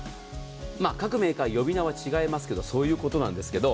各メーカー、呼び名は違いますがそういうことなんです。